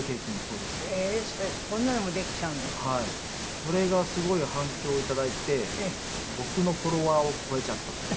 これがすごい反響を頂いて僕のフォロワーを超えちゃったっていう。